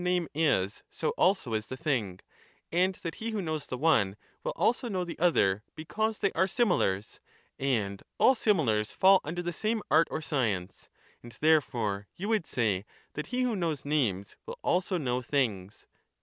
name is, so also is the thing ; and that he who knows the one will also know the other, because they are similars, and all similars fall under the same art or science ; and therefore you would say that he who knows names will also know things.